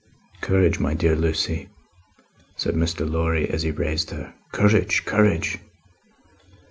"Courage, my dear Lucie," said Mr. Lorry, as he raised her. "Courage, courage!